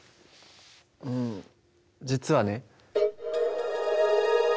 うん実はね。